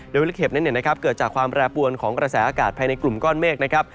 โดยวิลิเข็บนั้นเกิดจากความแปรปวนของกระแสอากาศภายในกลุ่มก้อนเมฆนะครับ